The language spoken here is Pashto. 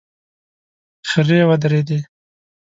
خرې ودرېدې.